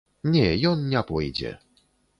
Не, ён не пойдзе.